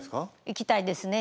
行きたいですね。